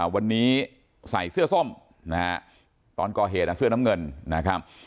วันนี้ใส่เสื้อส้มนะฮะตอนก่อเหตุเสื้อน้ำเงินนะครับ